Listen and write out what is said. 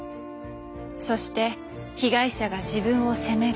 「そして被害者が自分を責める」。